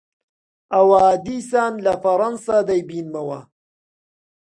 ئەوا دیسان لە فەڕانسە دەیبینمەوە